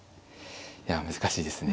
いや難しいですね。